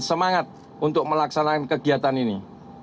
semangat untuk melaksanakan kegiatan ini